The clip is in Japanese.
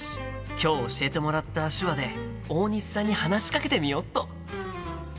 今日教えてもらった手話で大西さんに話しかけてみよっと！